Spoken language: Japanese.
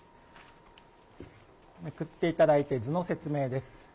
めくっていただいて、図の説明です。